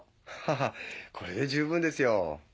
ハハハこれで十分ですよ。